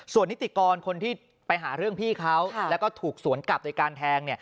ส่วนนิติกรคนที่ไปหาเรื่องพี่เขาแล้วก็ถูกสวนกลับโดยการแทง